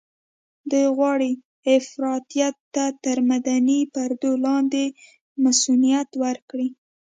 دوی غواړي افراطيت ته تر مدني پردو لاندې مصؤنيت ورکړي.